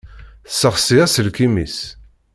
Tessexsi aselkim-is.